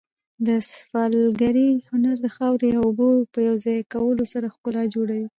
د سفالګرۍ هنر د خاورې او اوبو په یو ځای کولو سره ښکلا جوړوي.